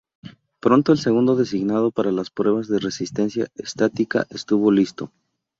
Pronto el segundo designado para las pruebas de resistencia estática estuvo listo.